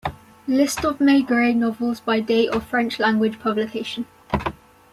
List of Maigret novels by date of French-language publication.